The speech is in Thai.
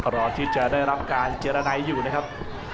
รอที่จะได้รับการเจรนัยอยู่นะครับ